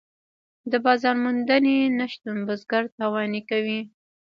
د بازار موندنې نشتون بزګر تاواني کوي.